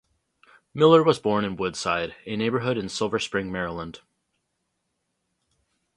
Miller was born in Woodside, a neighborhood in Silver Spring, Maryland.